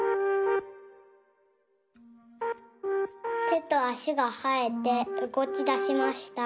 てとあしがはえてうごきだしました。